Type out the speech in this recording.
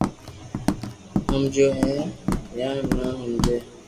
ھمجيو ھمي يا ني ھمجاوي